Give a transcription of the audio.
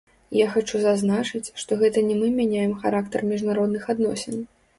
Я хачу зазначыць, што гэта не мы мяняем характар міжнародных адносін.